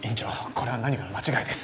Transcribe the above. これは何かの間違いです